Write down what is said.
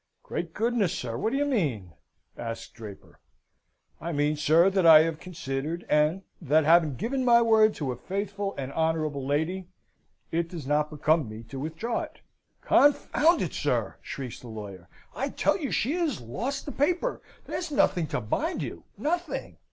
"Great goodness, sir, what do you mean?" asks Draper. "I mean, sir, that I have considered, and, that having given my word to a faithful and honourable lady, it does not become me to withdraw it." "Confound it, sir!" shrieks the lawyer, "I tell you she has lost the paper. There's nothing to bind you nothing.